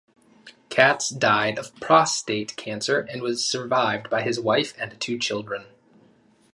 Katz died of prostate cancer and was survived by his wife and two children.